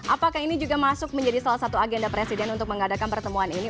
apakah ini juga masuk menjadi salah satu agenda presiden untuk mengadakan pertemuan ini